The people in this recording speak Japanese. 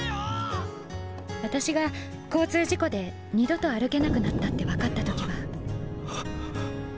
私が交通事故で二度と歩けなくなったって分かった時はあ。